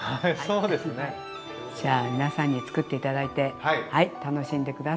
じゃあ皆さんに作って頂いて楽しんで下さい。